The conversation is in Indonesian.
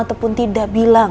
bisa turun lebih lama